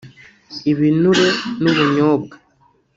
ibinure n'ubunyobwa